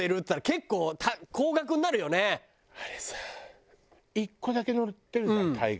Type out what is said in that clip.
あれさ１個だけのってるじゃん大概。